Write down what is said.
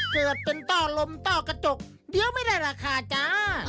เกิดเป็นต้อลมต้อกระจกเดี๋ยวไม่ได้ราคาจ้า